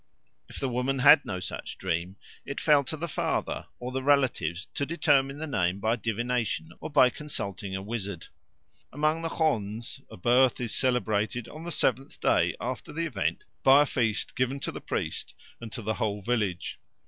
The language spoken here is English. If the woman had no such dream, it fell to the father or the relatives to determine the name by divination or by consulting a wizard. Among the Khonds a birth is celebrated on the seventh day after the event by a feast given to the priest and to the whole village.